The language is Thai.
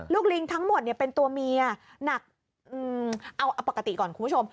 ลิงทั้งหมดเนี่ยเป็นตัวเมียหนักเอาปกติก่อนคุณผู้ชม